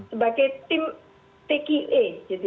sebagai tim tka